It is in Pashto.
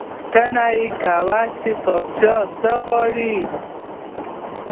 پوښتنه یې کاوه، چې پاچا څه غواړي.